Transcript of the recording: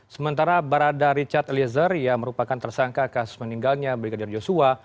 sementara barada richard eliezer yang merupakan tersangka kasus meninggalnya brigadir yosua